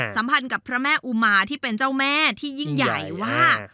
สัมพันธ์กับพระแม่อุมาที่เป็นเจ้าแม่ที่ยิ่งใหญ่ว่า